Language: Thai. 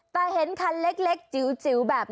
แต่เห็นคันเล็กจิ๋วแบบนี้